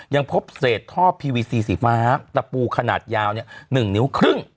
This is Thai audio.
ยังพบเศษท่อพีวีซีสีฟ้าตะปูขนาดยาว๑นิ้วครึ่ง